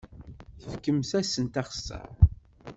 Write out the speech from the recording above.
Fkemt-asen axeṣṣar!